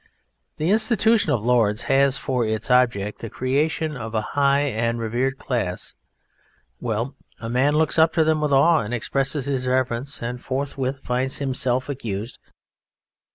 The institution of Lords has for its object the creation of a high and reverend class; well, a man looks up to them with awe or expresses his reverence and forthwith finds himself accused!